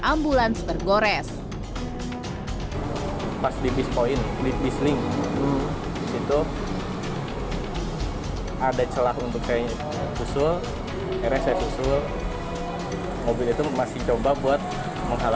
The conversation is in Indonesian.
ambulans tergores pas di bispoin di bisling itu ada celah untuk saya usul